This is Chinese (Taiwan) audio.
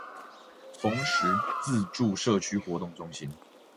崇實自助社區活動中心